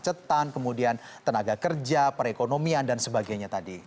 ada kemacetan kemudian tenaga kerja perekonomian dan sebagainya tadi